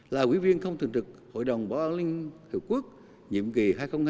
là quỹ viên không thường trực hội đồng bảo an liên hợp quốc nhiệm kỳ hai nghìn hai mươi hai nghìn hai mươi một